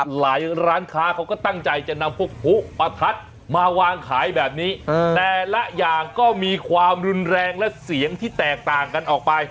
หลายร้านค้าเขาก็ตั้งใจจะนำพวกผู้ประทัดมาวางขายแบบนี้แต่ละอย่างก็มีความรุนแรงและเสียงที่แตกต่างกันออกไป